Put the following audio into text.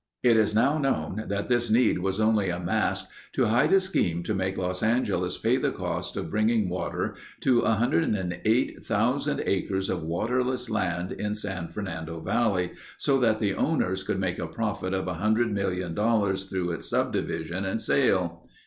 It is now known that this need was only a mask to hide a scheme to make Los Angeles pay the cost of bringing water to 108,000 acres of waterless land in San Fernando valley so that the owners could make a profit of a hundred million dollars through its subdivision and sale.